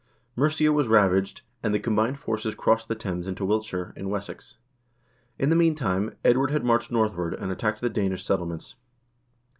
Mercia was ravaged, and the combined forces crossed the Thames into Wilt shire, in Wessex. In the meantime Edward had marched north ward, and attacked the Danish settlements.